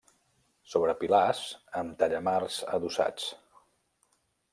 Sobre pilars, amb tallamars adossats.